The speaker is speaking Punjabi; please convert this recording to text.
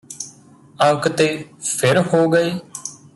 ਅੰਕ ਤੇ ਫਿਰ ਹੋ ਗਏ